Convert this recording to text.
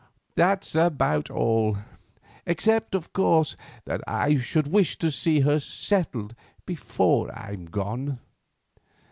That's about all, except, of course, that I should wish to see her settled before I'm gone.